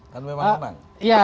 kan memang menang